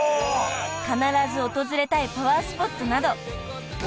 ［必ず訪れたいパワースポットなど］